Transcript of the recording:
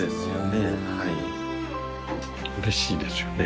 うれしいですよね。